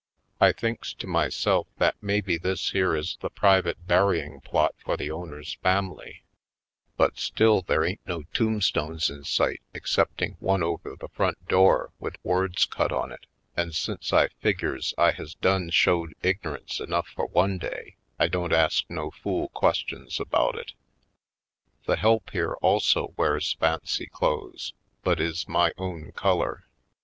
I thinks to myself that maybe this here is the private burying plot for the owner's family; but still there ain't no tombstones in sight ex cepting one over the front door with words cut on it, and since I figures I has done showed ignorance enough for one day, I don't ask no fool questions about it. The help here also wears fancy clothes, but is my own color.